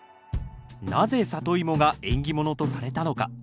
なぜサトイモが縁起物とされたのか？